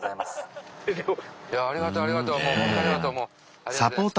ありがとうございます。